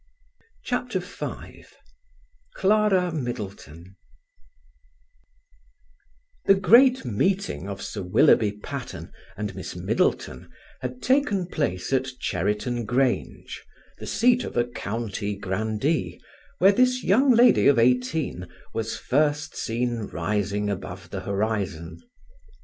CHAPTER V CLARA MIDDLETON The great meeting of Sir Willoughby Patterne and Miss Middleton had taken place at Cherriton Grange, the seat of a county grandee, where this young lady of eighteen was first seen rising above the horizon.